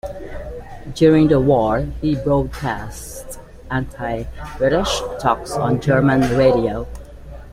During the war, he broadcast anti-British talks on German radio.